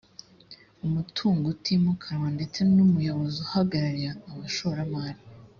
umutungo utimukanwa ndetse numuyobozi uhagarariye abashoramari